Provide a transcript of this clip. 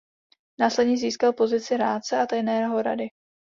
Následně získal pozici rádce a tajného rady.